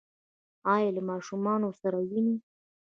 ایا له ماشومانو سره وینئ؟